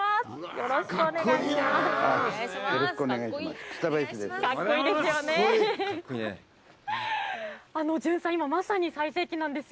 よろしくお願いします。